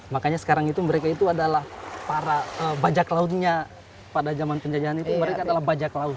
makanya sekarang itu mereka itu adalah para bajak lautnya pada zaman penjajahan itu mereka adalah bajak laut